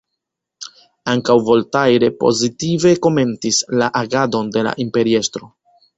Ankaŭ Voltaire pozitive komentis la agadon de la Imperiestro.